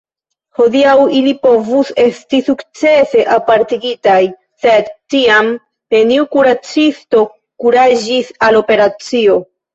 Hodiaŭ ili povus esti sukcese apartigitaj, sed tiam neniu kuracisto kuraĝis al operacio.